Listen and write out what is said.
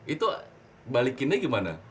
itu balikinnya gimana